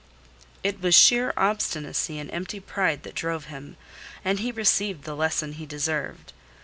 It was sheer obstinacy and empty pride that drove him, and he received the lesson he deserved.